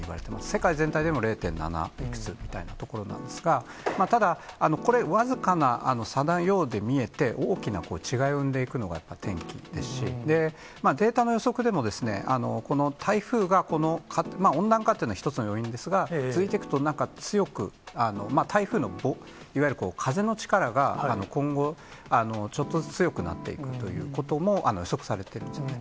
世界全体でも０．７いくつみたいなところなんですが、ただ、これ、僅かな差なように見えて、大きな違いを生んでいくのがやっぱり天気ですし、データの予測でもですね、この台風が、この温暖化というのが一つの要因ですが、続いていくと、なんか強く、台風のいわゆる風の力が今後、ちょっとずつ強くなっていくということも予測されているんですね。